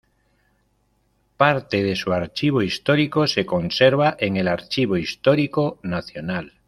Parte de su archivo histórico se conserva en el Archivo Histórico Nacional.